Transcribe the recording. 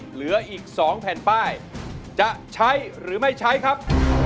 เหลืออีก๒แผ่นป้ายจะใช้หรือไม่ใช้ครับ